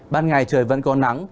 ban ngày trời vẫn còn nắng